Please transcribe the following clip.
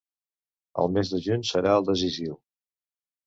El mes de juny serà el decisiu.